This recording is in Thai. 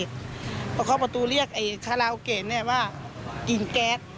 เพราะเขาประตูเรียกคาราโอเกตว่ากลิ่นแก๊ส